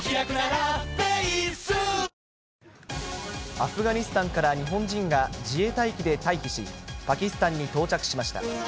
アフガニスタンから日本人が自衛隊機で退避し、パキスタンに到着しました。